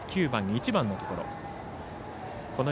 ９番、１番のところ。